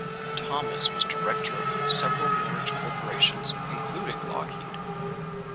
Thomas was director of several large corporations, including Lockheed.